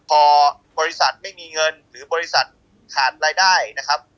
พอบริษัทไม่มีเงินหรือบริษัทขาดรายได้นะครับ